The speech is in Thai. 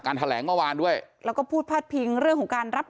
แถลงเมื่อวานด้วยแล้วก็พูดพาดพิงเรื่องของการรับ